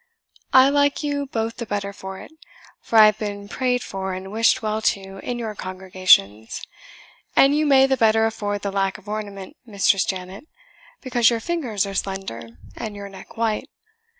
I like you both the better for it; for I have been prayed for, and wished well to, in your congregations. And you may the better afford the lack of ornament, Mistress Janet, because your fingers are slender, and your neck white.